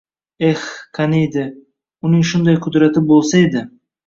Eh, qaniydi, uning shunday qudrati bo‘lsa edi